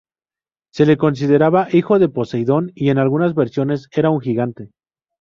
Se le consideraba hijo de Poseidón, y en algunas versiones era un gigante.